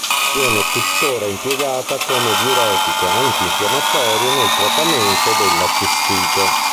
Viene tuttora impiegata come diuretico, antinfiammatorio e nel trattamento della cistite.